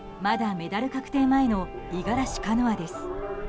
メダル確定前の五十嵐カノアです。